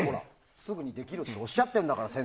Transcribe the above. すぐにできると先生がおっしゃってるんだから。